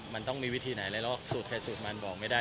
มันต้องมีวิธีไหนแล้วสูตรใครสูตรมันบอกไม่ได้